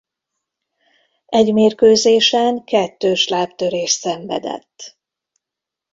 Egy mérkőzésen kettős lábtörést szenvedett.